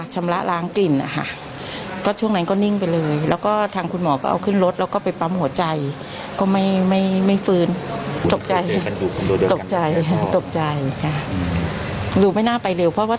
เหมือนคล่องอยู่ไง